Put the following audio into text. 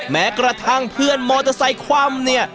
แม้กระทั่งเพื่อนมอเตอร์ไซค์คว่ำเนี่ย